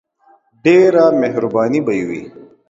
ډیره مهربانی به یی وی.